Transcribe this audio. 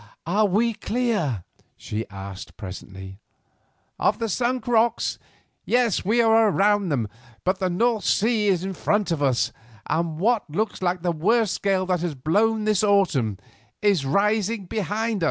"Are we clear?" she asked presently. "Of the Sunk Rocks? Yes, we are round them. But the North Sea is in front of us, and what looks like the worst gale that has blown this autumn is rising behind."